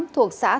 thuộc xã thái